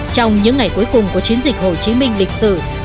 trong những ngày cuối cùng của chiến dịch hồ chí minh lịch sử